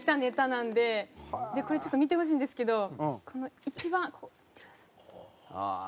これちょっと見てほしいんですけどこの一番ここ見てください。